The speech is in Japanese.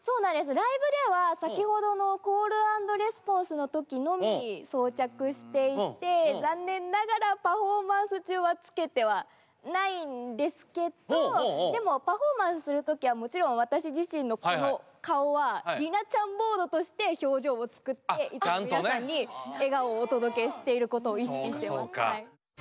ライブでは先ほどのコール＆レスポンスの時のみ装着していて残念ながらパフォーマンス中はつけてはないんですけどでもパフォーマンスする時はもちろん私自身のこの顔は璃奈ちゃんボードとして表情を作っていつも皆さんに笑顔をお届けしていることを意識してますはい。